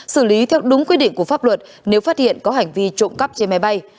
xử lý theo đúng quy định của pháp luật nếu phát hiện có hành vi trộm cắp trên máy bay